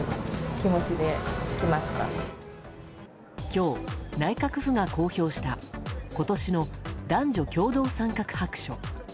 今日、内閣府が公表した今年の男女共同参画白書。